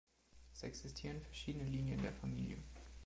Es existieren verschiedene Linien der Familie.